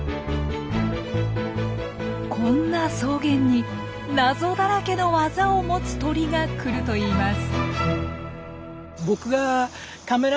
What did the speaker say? こんな草原に謎だらけの技を持つ鳥が来るといいます。